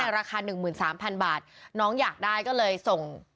ในราคาหนึ่งหมื่นสามพันบาทน้องอยากได้ก็เลยส่ง